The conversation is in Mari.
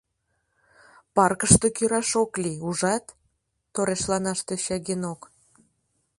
— Паркыште кӱраш ок лий, ужат? — торешланаш тӧча Генок.